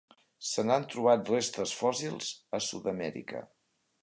Se n'han trobat restes fòssils a Sud-amèrica.